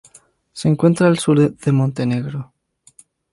Se encuentra al sur de Montenegro.